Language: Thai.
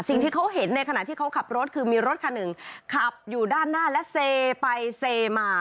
สิ่งที่เขาเห็นในขณะที่เขาขับรถคือมีรถคันหนึ่งขับอยู่ด้านหน้าและเซไปเซมา